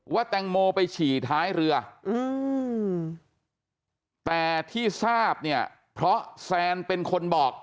แตงโมไปฉี่ท้ายเรือแต่ที่ทราบเนี่ยเพราะแซนเป็นคนบอก